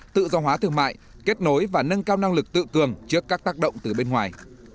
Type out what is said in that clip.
tự do hóa thương mại kết nối và nâng cao năng lực tự cường trước các tác động từ bên ngoài